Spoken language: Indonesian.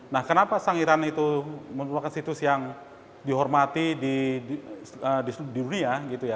nah kenapa sangiran itu merupakan situs yang dihormati di dunia gitu ya